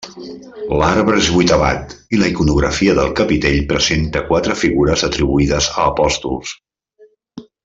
L'arbre és vuitavat i la iconografia del capitell presenta quatre figures atribuïdes a apòstols.